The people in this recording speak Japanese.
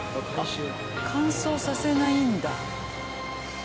乾燥させないんだ。